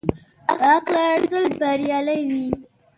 د حق لاره تل بریالۍ وي.